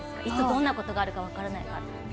いつどんなことがあるか分からないから。